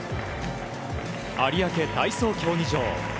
有明体操競技場。